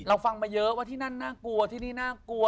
ฟังมาเยอะว่าที่นั่นน่ากลัวที่นี่น่ากลัว